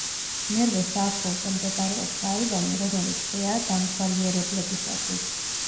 მერვე სართულზე მდებარეობს აივანი, რომელიც ღიაა დამთვალიერებლებისათვის.